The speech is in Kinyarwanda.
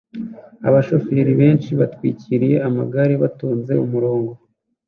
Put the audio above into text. Abashoferi benshi batwikiriye amagare batonze umurongo